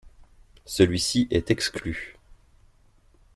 Celui-ci est exclu.